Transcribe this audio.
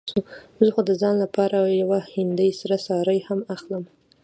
زه خو د ځان لپاره يوه هندۍ سره ساړي هم اخلم.